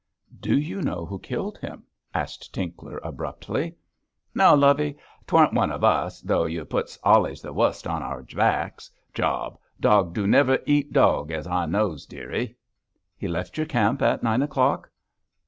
'Do you know who killed him?' asked Tinkler, abruptly. 'No, lovey. 'Tweren't one of us, tho' you puts allays the wust on our backs. Job! dog do niver eat dog, as I knows, dearie.' 'He left your camp at nine o'clock?'